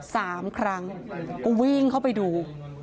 สามครั้งก็วิ่งเข้าไปดู